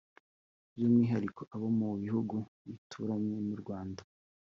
by’umwihariko abo mu bihugu bituranye n’u Rwanda